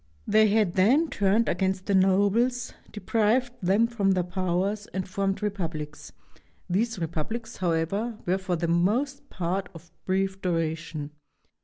They had then turned against the nobles, deprived them of their powers, and formed republics. These repub lics, however, were for the most part of brief duration.